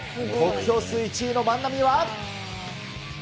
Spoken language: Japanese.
得票数１位の万波は。